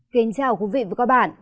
kính chào quý vị và các bạn